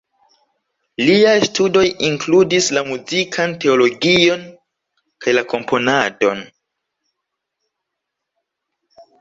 Liaj studoj inkludis la muzikan teologion kaj la komponadon.